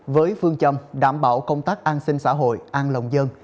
với phương châm đảm bảo công tác an sinh xã hội an lòng dân